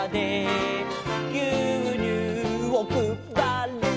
「ぎゅうにゅうをくばる」